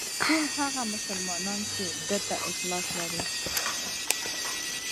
ټول هغه مسلمانان چې ده ته اخلاص لري.